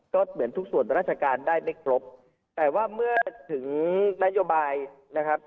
ก็เหมือนทุกส่วนราชการได้ไม่ครบแต่ว่าเมื่อถึงนโยบายนะครับ